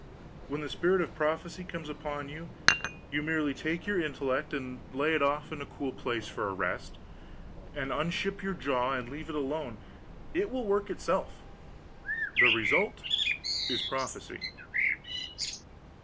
When the spirit of prophecy comes upon you, you merely take your intellect and lay it off in a cool place for a rest, and unship your jaw and leave it alone; it will work itself: the result is prophecy.